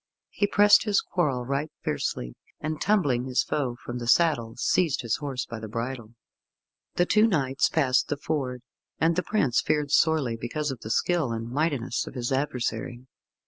He pressed his quarrel right fiercely, and tumbling his foe from the saddle, seized his horse by the bridle. The two knights passed the ford, and the prince feared sorely because of the skill and mightiness of his adversary.